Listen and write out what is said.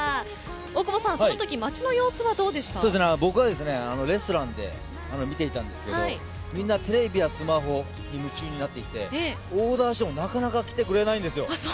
大久保さん、そのとき僕はレストランで見ていたんですがみんなテレビやスマホに夢中になっていてオーダーしても、なかなか来てくれないんですよ。